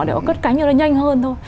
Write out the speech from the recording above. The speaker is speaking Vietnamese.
để họ cất cánh cho nó nhanh hơn thôi